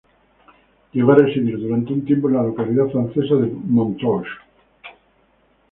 Llegó a residir durante un tiempo en la localidad francesa de Montrouge.